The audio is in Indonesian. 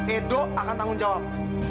edo akan tanggung jawab